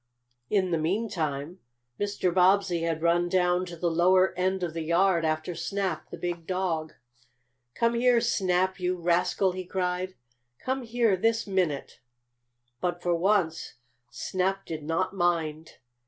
In the meantime Mr. Bobbsey had run down to the lower end of the yard after Snap, the big dog. "Come here, Snap, you rascal!" he cried. "Come here this minute!" But for once Snap did not mind.